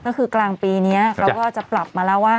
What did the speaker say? ก็คือกลางปีนี้เขาก็จะปรับมาแล้วว่า